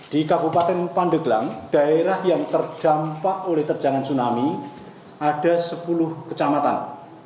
di kabupaten pandeglang daerah yang terdampak oleh terjangan tsunami ada sepuluh kecamatan